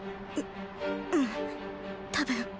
ううん多分。